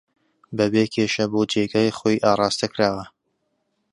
بەبێ کێشە بۆ جێگای خۆی ئاراستەکراوە